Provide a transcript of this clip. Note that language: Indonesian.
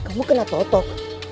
kamu kena totok